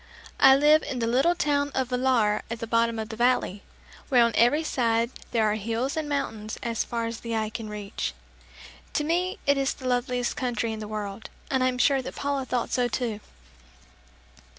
I live in the little town of Villar at the bottom of the valley, where on every side there are hills and mountains as far as the eye can reach. To me it is the loveliest country in the world and I am sure that Paula thought so too.